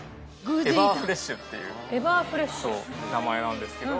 エバーフレッシュっていう名前なんですけど。